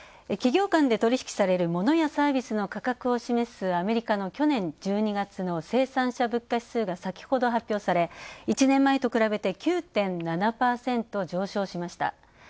企業間で取引されるものやサービスの価格を示すアメリカの去年１２月の生産者物価指数が先ほど発表され１年前と比べて９．７％、上昇しました。